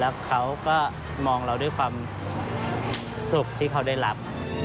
แล้วเขาก็มองเราด้วยความสุขที่เขาได้รับ